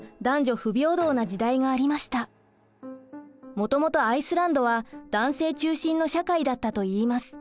もともとアイスランドは男性中心の社会だったといいます。